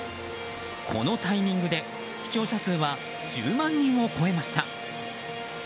このタイミングで視聴者数は１０万人を超えました。